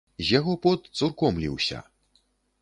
З яго пот цурком ліўся.